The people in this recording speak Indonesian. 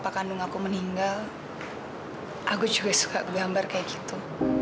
kandung aku meninggal aku juga suka bergambar kayak gitu